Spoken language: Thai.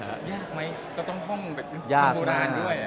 ยากไหมก็ต้องท่องแบบท่องโบราณด้วย